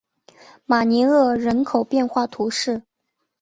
马尼厄人口变化图示